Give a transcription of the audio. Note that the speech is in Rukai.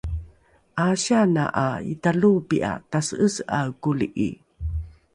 ’asiana ’a italoopi’a tase’ese’ae koli’i